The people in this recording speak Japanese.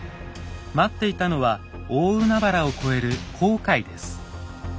待っていたのは大海原を越える航海です。